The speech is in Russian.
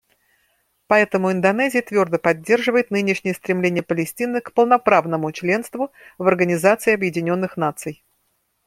Поэтому Индонезия твердо поддерживает нынешнее стремление Палестины к полноправному членству в Организации Объединенных Наций.